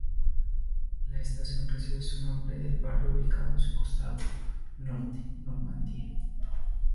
La estación recibe su nombre del barrio ubicado en su costado norte: Normandía.